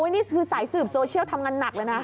นี่คือสายสืบโซเชียลทำงานหนักเลยนะ